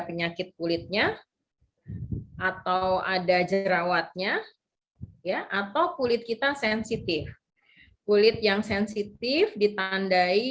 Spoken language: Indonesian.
penyakit kulitnya atau ada jerawatnya ya atau kulit kita sensitif kulit yang sensitif ditandai